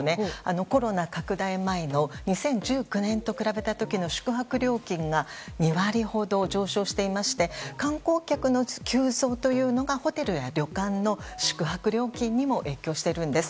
コロナ拡大前の２０１９年と比べた時の宿泊料金が２割ほど上昇していまして観光客の急増というのがホテルや旅館の宿泊料金にも影響しているんです。